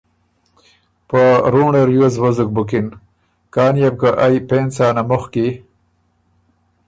په رُونړه ریوز وزُک بُکِن کان يې بو که ائ پېنځ څانه مُخکی